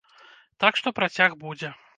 Так што працяг будзе.